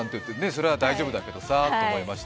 それは大丈夫だよなって思いました。